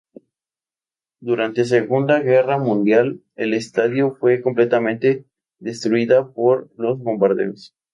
Durante Segunda Guerra Mundial el estadio fue completamente destruida por los bombardeos.